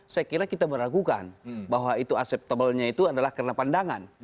saya kira kita meragukan bahwa itu acceptable nya itu adalah karena pandangan